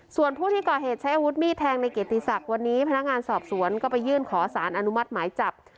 ส่วนผู้ที่ก่อเหตุใช้อาวุธมีดแทงในเกียรติศักดิ์วันนี้พนักงานสอบสวนก็ไปยื่นขอสารอนุมัติหมายจับ